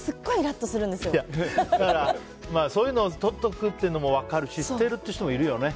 それがそういうのとっておくというのも分かるし捨てるという人もいるよね。